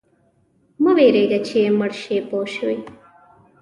مه پرېږده چې مړ شې پوه شوې!.